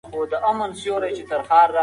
تاسو باید تل یو بل سره مرسته وکړئ.